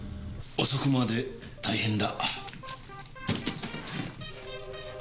遅くまで大変だ。